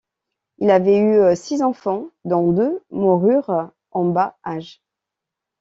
Ils avaient eu six enfants dont deux moururent en bas âge.